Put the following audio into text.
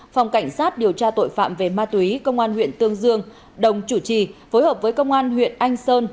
phòng cảnh sát điều tra tội phạm về ma túy công an huyện tương dương đồng chủ trì phối hợp với công an huyện anh sơn